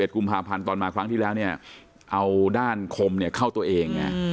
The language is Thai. กุมภาพันธ์ตอนมาครั้งที่แล้วเนี่ยเอาด้านคมเข้าตัวเอง